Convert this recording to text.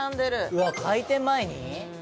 うわっ開店前に？